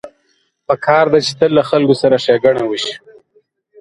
پکار ده چې تل له خلکو سره ښېګڼه وشي